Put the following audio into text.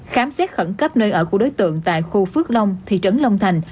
khám xét khẩn cấp nơi ở của đối tượng tại khu phước long thị trấn long thành